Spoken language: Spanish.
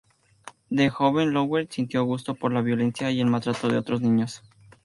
De joven, Lowell sintió gusto por la violencia y el maltrato de otros niños.